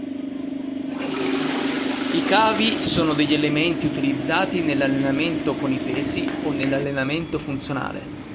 I cavi sono degli elementi utilizzati nell'allenamento con i pesi o nell'allenamento funzionale.